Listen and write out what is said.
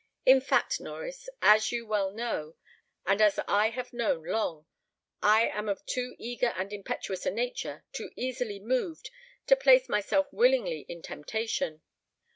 In fact, Norries, as you well know, and as I have known long, I am of too eager and impetuous a nature, too easily moved, to place myself willingly in temptation.